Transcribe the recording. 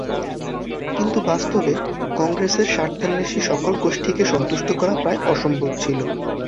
কিন্তু বাস্তবে কংগ্রেসের স্বার্থান্বেষী সকল গোষ্ঠীকে সন্তুষ্ট করা প্রায় অসম্ভব ছিল।